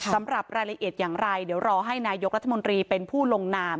สำหรับรายละเอียดอย่างไรเดี๋ยวรอให้นายกรัฐมนตรีเป็นผู้ลงนาม